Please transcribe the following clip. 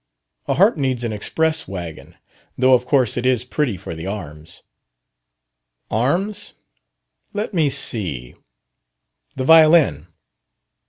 "A harp needs an express wagon. Though of course it is pretty for the arms." "Arms? Let me see. The violin?"